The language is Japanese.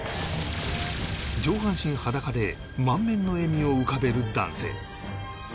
上半身裸で満面の笑みを浮かべる男性